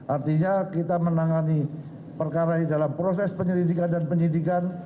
artinya kita menangani perkara ini dalam proses penyelidikan dan penyidikan